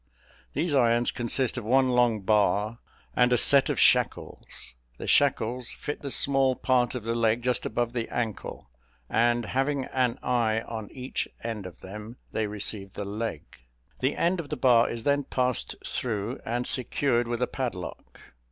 These irons consist of one long bar and a set of shackles. The shackles fit the small part of the leg, just above the ankle; and, having an eye on each end of them, they receive the leg. The end of the bar is then passed through, and secured with a padlock.